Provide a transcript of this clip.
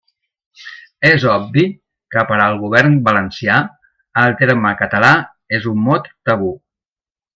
És obvi que per al govern valencià el terme català és un mot tabú.